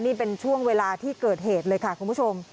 นี่เป็นช่วงเวลาที่เกิดเหตุเลยค่ะคุณผู้ชม